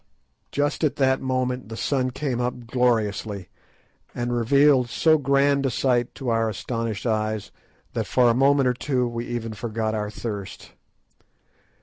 Just at that moment the sun came up gloriously, and revealed so grand a sight to our astonished eyes that for a moment or two we even forgot our thirst.